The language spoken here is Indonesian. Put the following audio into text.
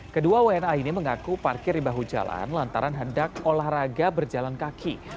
kedua wna ini mengaku parkir di bahu jalan lantaran hendak olahraga berjalan kaki